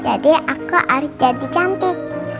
jadi aku harus jadi cantik